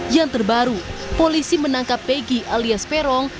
yang terbaru polisi menangkap peggy alias peron